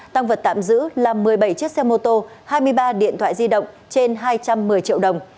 tăng vật tạm giữ là một mươi bảy chiếc xe mô tô hai mươi ba điện thoại di động trên hai trăm một mươi triệu đồng